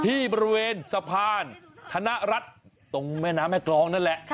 ที่บริเวณสะพานธนรัฐตรงแม่น้ำแม่กรองนั่นแหละ